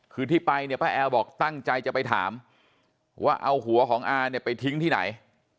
คือที่ไปเนี่ยป้าแอลบอกตั้งใจจะไปถามว่าเอาหัวของอาเนี่ยไปทิ้งที่ไหน